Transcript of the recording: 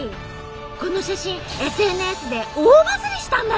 この写真ＳＮＳで大バズリしたんだって。